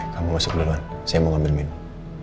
kamu masuk duluan saya mau ambil minum